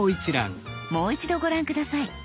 もう一度ご覧下さい。